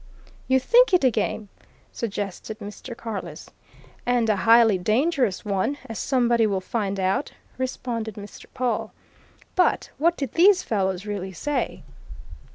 "You think it a game?" suggested Mr. Carless. "And a highly dangerous one as somebody will find out," responded Mr. Pawle. "But what did these fellows really say!"